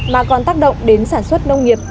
mà còn tác động đến sản xuất nông nghiệp